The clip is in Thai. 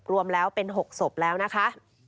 รวมแล้วเป็น๖ศพแล้วนะคะ